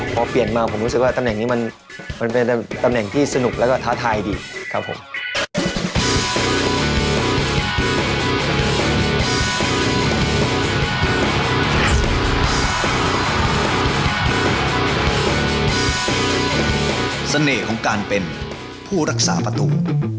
พอเปลี่ยนมาผมรู้สึกว่าตำแหน่งนี้มันเป็นตำแหน่งที่สนุกแล้วก็ท้าทายดีครับผม